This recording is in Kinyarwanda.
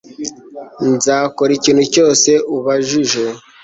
Nzakora ikintu cyose ubajije